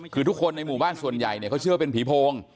คือทุกคนในหมู่บ้านส่วนใหญ่เนี่ยเขาเชื่อว่าเป็นผีโพง